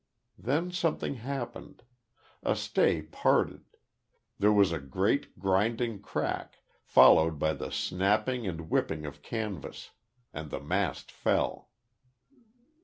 Then something happened. A stay parted; there was a great, grinding crack, followed by the snapping and whipping of canvas. And the mast fell.